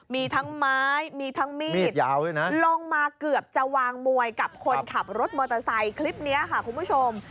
มีทั้งไม้มีทั้งมีดลงมาเกือบจะวางมวยกับคนขับรถมอเตอร์ไซค์คลิปนี้ค่ะคุณผู้ชม